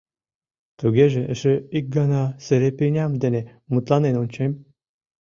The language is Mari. — Тугеже эше ик гана Серепиням дене мутланен ончем.